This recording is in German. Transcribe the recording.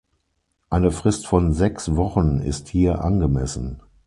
Eine Frist von sechs Wochen ist hier angemessen.